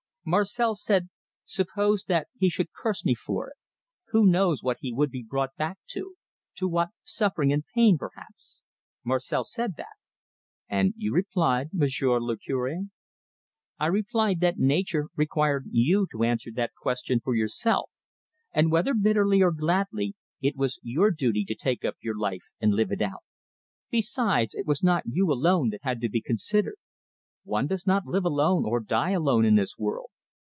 Marcel said, 'Suppose that he should curse me for it? Who knows what he would be brought back to to what suffering and pain, perhaps?' Marcel said that." "And you replied, Monsieur le Cure?" "I replied that Nature required you to answer that question for yourself, and whether bitterly or gladly, it was your duty to take up your life and live it out. Besides, it was not you alone that had to be considered. One does not live alone or die alone in this world.